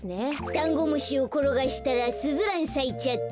だんごむしをころがしたらスズランさいちゃった。